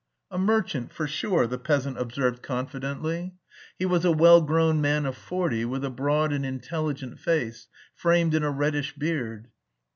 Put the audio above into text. "A merchant, for sure," the peasant observed confidently. He was a well grown man of forty with a broad and intelligent face, framed in a reddish beard.